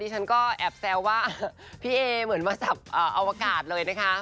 ฉันก็แอบแซวว่าพี่เอเหมือนมาสับอวกาศเลยนะคะ